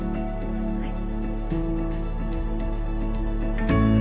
はい。